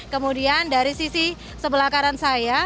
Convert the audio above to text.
kemudian dari sisi sebelah kanan saya